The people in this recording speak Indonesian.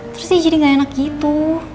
terus sih jadi gak enak gitu